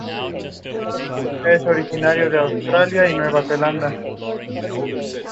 Harsh develops feelings for Janki.